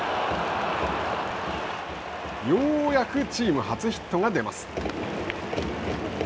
ようやくチーム初ヒットが出ます。